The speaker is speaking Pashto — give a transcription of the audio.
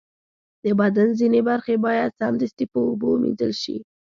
د بدن ځینې برخې باید سمدستي په اوبو ومینځل شي.